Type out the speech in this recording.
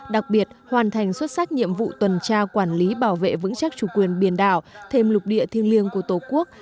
đặc biệt hoàn thành xuất sắc nhiệm vụ tuần tra quản lý bảo vệ vững chắc chủ quyền biển đảo thêm lục địa thiêng liêng của tổ quốc